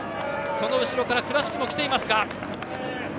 その後ろから倉敷も来ています。